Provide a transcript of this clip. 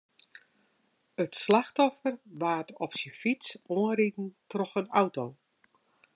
It slachtoffer waard op syn fyts oanriden troch in auto.